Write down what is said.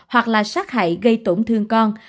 hoặc là sát hại gây tổn thương con